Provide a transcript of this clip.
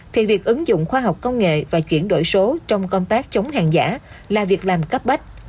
thì việc ứng dụng khoa học công nghệ và chuyển đổi số trong công tác chống hàng giả là việc làm cấp bách